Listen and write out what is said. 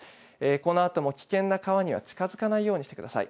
このあとも危険な川には近づかないようにしてください。